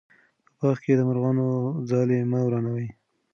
په باغ کې د مرغانو ځالې مه ورانوئ.